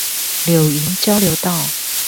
柳營交流道